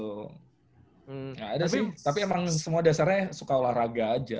nggak ada sih tapi emang semua dasarnya suka olahraga aja